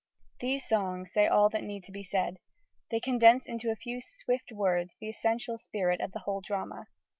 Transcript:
These songs say all that need be said: they condense into a few swift words the essential spirit of a whole drama.